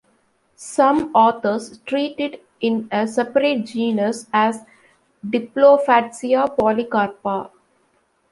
Some authors treat it in a separate genus, as "Diplofatsia polycarpa".